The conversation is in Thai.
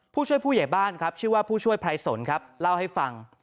ผู้ช่วยผู้ใหญ่บ้านครับชื่อว่าผู้ช่วยไพรสนครับเล่าให้ฟัง